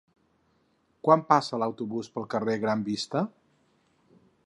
Quan passa l'autobús pel carrer Gran Vista?